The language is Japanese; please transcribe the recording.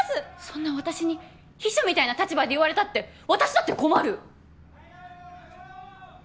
そんな私に秘書みたいな立場で言われたって私だって困る！